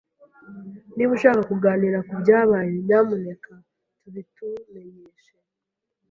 Niba ushaka kuganira kubyabaye, nyamuneka tubitumenyeshe.